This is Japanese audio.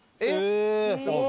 すごい。